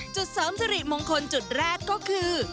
เสริมสิริมงคลจุดแรกก็คือ